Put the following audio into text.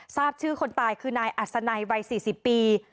ทราบชื่อคนตายคือนายอัศนัยวัย๔๐ปี